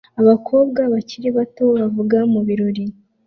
Abakobwa bakiri bato bavuga mu birori